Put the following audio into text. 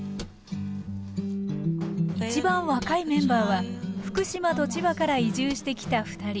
一番若いメンバーは福島と千葉から移住してきた２人。